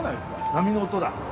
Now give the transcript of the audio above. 波の音だ。